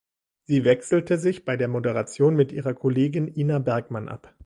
Sie wechselte sich bei der Moderation mit ihrer Kollegin Ina Bergmann ab.